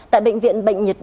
tại bệnh viện bệnh nhiệt bệnh